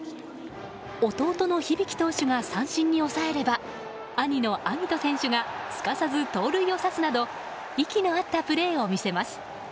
弟の響投手が三振に抑えれば兄の晶音選手がすかさず盗塁を刺すなど息の合ったプレーを見せます。